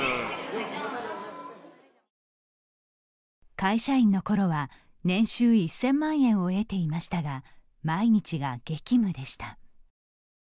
会社員のころは、年収１０００万円を得ていましたが毎日が激務でした。